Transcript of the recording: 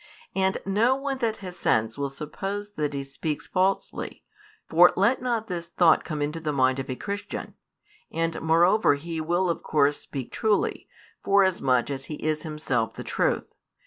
And no one that has sense will suppose that He speaks falsely, for let not this thought come into the mind of a Christian; and moreover He will of course speak truly, forasmuch as He is Himself the Truth.